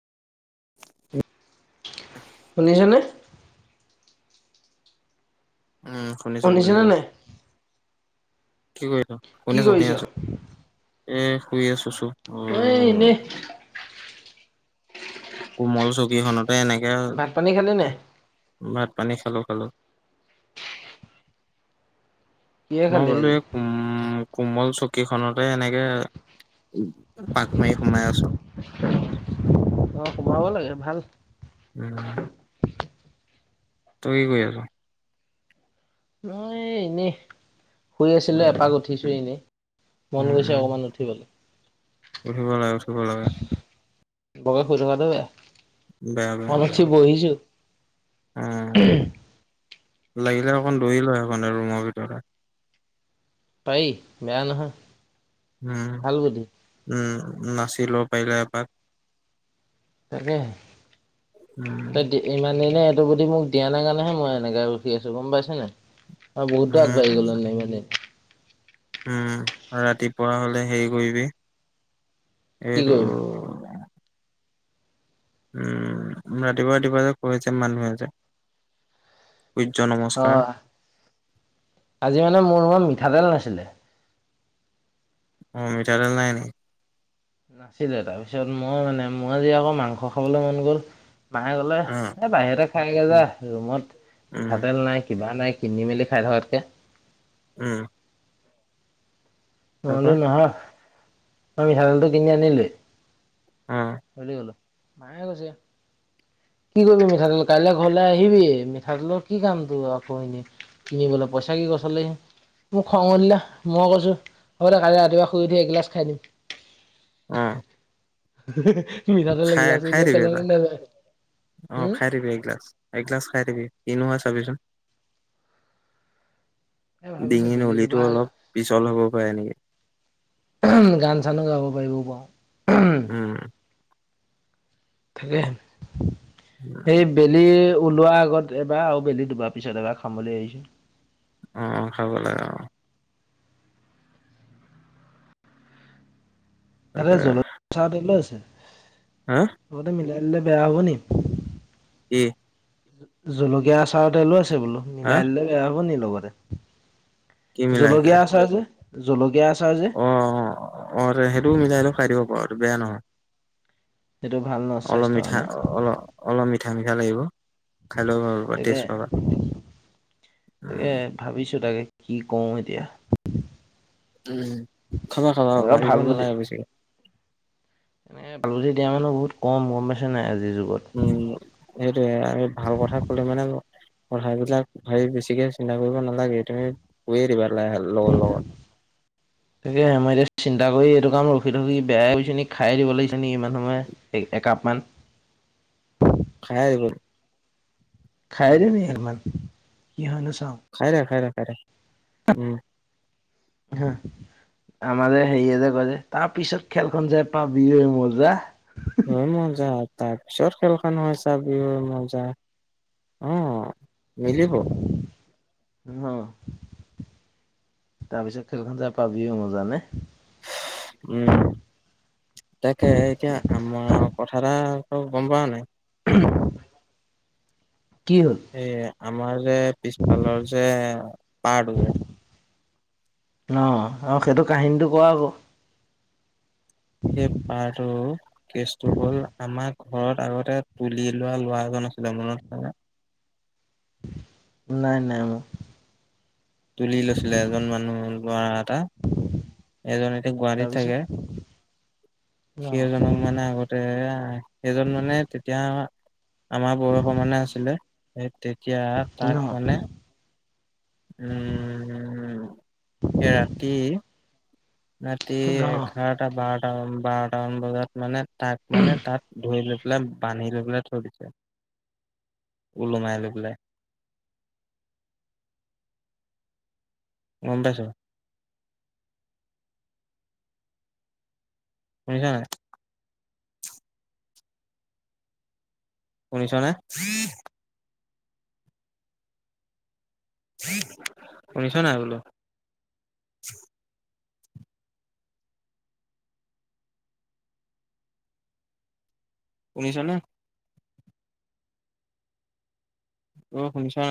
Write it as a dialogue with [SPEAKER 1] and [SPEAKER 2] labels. [SPEAKER 1] শুনিছনে?
[SPEAKER 2] উমঁ'
[SPEAKER 1] শুনিছানে
[SPEAKER 2] শুনিছো-শুনিছো।
[SPEAKER 1] নাই
[SPEAKER 2] কি কৰি
[SPEAKER 1] কি
[SPEAKER 2] শুনি আছো, শুনি
[SPEAKER 1] কৰিছ?
[SPEAKER 2] আছো। এ' শুই আছো।
[SPEAKER 1] মইও
[SPEAKER 2] অ'
[SPEAKER 1] এনেই।
[SPEAKER 2] কোমল চকীখনতে এনেকে,
[SPEAKER 1] ভাত পানী খালি নাই?
[SPEAKER 2] ভাত-পানী খালো-খালো।
[SPEAKER 1] কিহে
[SPEAKER 2] মই
[SPEAKER 1] খালি
[SPEAKER 2] বোলো
[SPEAKER 1] আজি?
[SPEAKER 2] এই কোমল চকীখনতে এনেকে- পাক মাৰি সোমাই আছোঁ।
[SPEAKER 1] অ', -সোমাব লাগে ভাল।
[SPEAKER 2] উম, তই কি কৰি আছ?
[SPEAKER 1] মই এনেই, শুই আছিলো এপাক
[SPEAKER 2] উম,
[SPEAKER 1] উঠিছো এনেই। মন
[SPEAKER 2] উম,
[SPEAKER 1] গৈছে
[SPEAKER 2] উম,
[SPEAKER 1] অকণমান উঠিবলৈ।
[SPEAKER 2] উঠিব লাগে উঠিব লাগে
[SPEAKER 1] বৰকে শুই থকা বেয়া,
[SPEAKER 2] বেয়া
[SPEAKER 1] অলপ উঠি বহিছো।
[SPEAKER 2] উমঁ, লাগিলে অকণ ধৰি ল' সেইকণতে ৰুমৰ ভিতৰতে।
[SPEAKER 1] পাৰি বেয়া নহয়। ভাল বুদ্ধি
[SPEAKER 2] উমঁ-উমঁ, নাচি ল'ব পাৰিলে এপাক।
[SPEAKER 1] তাকে,
[SPEAKER 2] উম,
[SPEAKER 1] [unintelligible] ইমান দিনে এইটো বুদ্ধি মোক দিয়া নাই কাৰণে'হে মই এনেকে ৰখি আছো গম পাইছে নাই। বহুতো আগবাঢ়ি
[SPEAKER 2] উম,
[SPEAKER 1] গ'ল এনেকে মানে।
[SPEAKER 2] উমঁ, ৰাতিপুৱা হ'লে হেৰি কৰিবি
[SPEAKER 1] কি কৰিম
[SPEAKER 2] এইটো- উমঁ, ৰাতিপুৱা-ৰাতিপুৱা কৰে যে মানুহে যে- শুইজ্যমত।
[SPEAKER 1] অ', আজি মানে মোৰ লগত মিঠাতেল নাছিলে।
[SPEAKER 2] উম মিঠাতেল নাই নি।
[SPEAKER 1] নাছিলে তাৰপিছত মই মানে মই আজি আকৌ মাংস খাবলৈ মন গ'ল। মায়ে ক'লে
[SPEAKER 2] অ
[SPEAKER 1] এ বাহিৰতে খায় আহগে যা
[SPEAKER 2] উম
[SPEAKER 1] ৰুমত
[SPEAKER 2] উম
[SPEAKER 1] মিঠাতেল নাই। কিবা নাই কিনি মেলি খাই থকাতকে।
[SPEAKER 2] উম।
[SPEAKER 1] মই বোলো
[SPEAKER 2] তাৰপা
[SPEAKER 1] নহয় মই মিঠাতেলটো কিনি আনিলোৱে।
[SPEAKER 2] অ
[SPEAKER 1] মায়ে কৈছে। কি কৰিবি মিঠাতেল কাইলৈ ঘৰলে আহিবিয়ে মিঠাতেলৰ কি কাম তোৰ আকৌ এনে। কিনিবলৈ পইচা কি গছত লাগিছে নি। মোক খং উঠিলে মই কৈছো হ'ব দে কালিলৈ ৰাতিপুৱা শুই উঠি এগিলাছ খাই দিম।
[SPEAKER 2] অ
[SPEAKER 1] মিঠাতে
[SPEAKER 2] খাই
[SPEAKER 1] এগিলাচ
[SPEAKER 2] খাই
[SPEAKER 1] এনেই
[SPEAKER 2] দিবি
[SPEAKER 1] পেলানি
[SPEAKER 2] এবাৰ
[SPEAKER 1] নাযায়।
[SPEAKER 2] অ'
[SPEAKER 1] উম
[SPEAKER 2] খাই দিবি এগিলাছ এগিলাছ খাই দিবি কিনো হয় চাবিচোন।
[SPEAKER 1] এ ভাবিছো
[SPEAKER 2] ডিঙি
[SPEAKER 1] বেলি
[SPEAKER 2] নলিটো
[SPEAKER 1] ডোবা
[SPEAKER 2] অলপ পিছল হ'ব পাৰে এনেকে।
[SPEAKER 1] গান চানো গাব পাৰিব বাৰু।
[SPEAKER 2] উম।
[SPEAKER 1] তাকেহে, এই। বেলি ওলোৱাৰ আগত এবাৰ আৰু বেলি ডুবোৱাৰ পিছত এবাৰ খাম বুলি আহিছোঁ।
[SPEAKER 2] উম খাব লাগে অ'।
[SPEAKER 1] তাতে
[SPEAKER 2] তাকে
[SPEAKER 1] জল চাহতে লৈ আছে।
[SPEAKER 2] হাউম।
[SPEAKER 1] লগতে মিলাই দিলে বেয়া হবনি?
[SPEAKER 2] কি?
[SPEAKER 1] জলকীয়া আচাৰৰ তেলো আছে বোলো
[SPEAKER 2] হা
[SPEAKER 1] মিলাই দিলে বেয়া হ'ব নি লগতে।
[SPEAKER 2] কি মিলাই
[SPEAKER 1] জলকীয়া
[SPEAKER 2] দিলে
[SPEAKER 1] আচাৰ যে, জলকীয়া আচাৰ যে।
[SPEAKER 2] অ' অ' অ' সেইটো মিলাই লৈ খাই দিব পাৰ এইটো বেয়া নহয়।
[SPEAKER 1] সেইটো ভাল ন।
[SPEAKER 2] অলপ
[SPEAKER 1] স্বাস্থ্যৰ
[SPEAKER 2] মিঠা
[SPEAKER 1] কাৰণে
[SPEAKER 2] অলপ অলপ মিঠা মিঠা লাগিব। খাই ল'ব পাৰ
[SPEAKER 1] তাকে।
[SPEAKER 2] টেষ্ট পাবা
[SPEAKER 1] তাকে ভাবিছোঁ তাকে কি কৰোঁ এতিয়া?
[SPEAKER 2] উম খাবা খাবা
[SPEAKER 1] এনেকুৱা
[SPEAKER 2] ভাবিব
[SPEAKER 1] ভাল
[SPEAKER 2] নালাগে বেছিকে?
[SPEAKER 1] এনেকে ভাল বুদ্ধি দিয়া মানুহ বহুত কম গম পাইছন নাই আজিৰ যুগত।
[SPEAKER 2] উম সেইটোয়ে আমি ভাল কথা কলে মানে। কথাবিলাক ভাবি বেছিকে চিন্তা কৰিব নালাগে তুমি কয়ে দিবা লগত লগত।
[SPEAKER 1] তাকে মই এতিয়া চিন্তা কৰি এইটো কাম ৰখি ৰখি বেয়া হৈ গৈছো নেকি! খাই দিব লাগিছে নি ইমান সময়ে একাপ মান।
[SPEAKER 2] খাই আহিবলৈ
[SPEAKER 1] খাই দি এহোপ মানকি হয় নো চাওঁ।
[SPEAKER 2] খাই দে খাই দে খাই দে উম।
[SPEAKER 1] আমাৰে হেৰিয়েৰে কয় যে তাৰ পিছত খেলখন চাওঁ পাবি হে মজা।
[SPEAKER 2] এ মজা তাৰ পিছত খেলখন ঐ চাবি ঐ মজা। উম, মিলিব।
[SPEAKER 1] অ তাৰপিছত খেলখন যাই পাবিও মজানে?
[SPEAKER 2] উম', তাকে এতিয়া আমাৰ কথা এটা গম পাও নাই।
[SPEAKER 1] উম, কি হ'ল?
[SPEAKER 2] এই আমাৰ যে পিছফালৰ যে পাৰটো যে
[SPEAKER 1] অ', সেইটো কাহিনীটো কোৱা আকৌ?
[SPEAKER 2] সেই পাৰটোৰ কেচটো হ'ল, আমাক ঘৰত আগতে তুলি লোৱা লৰা এজন আছিলে মনত কৰা।
[SPEAKER 1] নাই নাই মোৰ
[SPEAKER 2] তুলি লৈছিলে এজন মানুহ ল'ৰা এটা। এজন এতিয়া গুৱাহাটীত
[SPEAKER 1] তাৰপিছত
[SPEAKER 2] থাকে। সেই
[SPEAKER 1] ন
[SPEAKER 2] এজনক মানে আগত তে এইজন মানে তেতিয়া আমাৰ বয়সৰ মানে আছিলে, তেতিয়া
[SPEAKER 1] ন
[SPEAKER 2] তাক মানে উম, এ ৰাতি ৰাতি
[SPEAKER 1] ন
[SPEAKER 2] এঘাৰটা বাৰটাত বাৰটা মান বজাত মানে তাক মানে তাত ধৰি লৈ বান্ধি লৈ পেলাই থৈ দিছে, উলোমাই লৈ পেলাই। গ'ম পাইছ। শুনিছ নাই? শুনিছনে? শুনিছ নাই বোলো? শুনিছনে? বোলো শুনিছানে নাই?